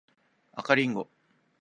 赤リンゴ